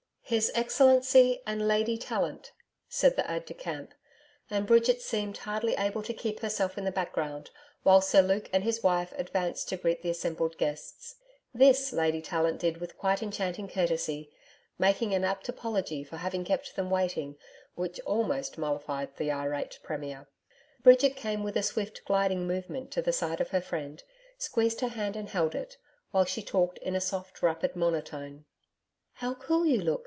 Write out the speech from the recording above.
'His Excellency and Lady Tallant,' said the aide de camp, and Bridget seemed hardly able to keep herself in the background while Sir Luke and his wife advanced to greet the assembled guests. This, Lady Tallant did with quite enchanting courtesy, making an apt apology for having kept them waiting, which almost mollified the irate Premier. Bridget came with a swift gliding movement to the side of her friend, squeezed her hand and held it, while she talked in a soft rapid monotone. 'How cool you look.